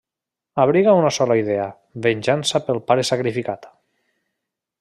Abriga una sola idea: venjança pel pare sacrificat.